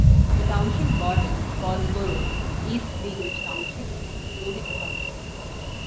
The township borders Paulsboro, East Greenwich Township, and Logan Township.